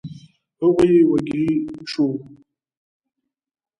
هغوی وږي شوو.